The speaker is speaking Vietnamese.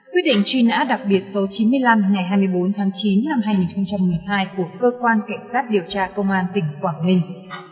quyết định truy nã đặc biệt số chín mươi năm ngày hai mươi bốn tháng chín năm hai nghìn một mươi hai của cơ quan cảnh sát điều tra công an tỉnh quảng ninh